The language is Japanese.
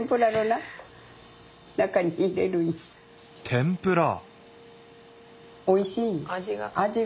天ぷら？